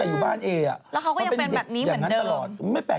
แล้วเขาก็ยังเป็นแบบนี้เหมือนเดิม